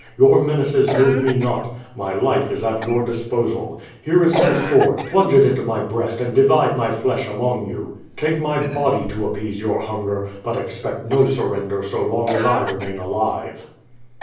Your menaces move me not. My life is at your disposal. Here is my sword; plunge it into by breast and divide my flesh among you. Take my body to appease your hunger; but expect no surrender so long as I remain alive."